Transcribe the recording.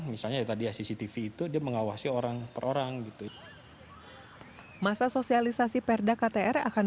misalnya tadi cctv itu dia mengawasi orang per orang gitu masa sosialisasi perda ktr akan